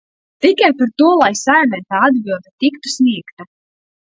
Tikai par to, lai Saeimai tā atbilde tiktu sniegta.